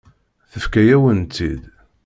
Tefka-yawen-tt-id.